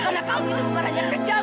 karena kamu itu umaranya kejam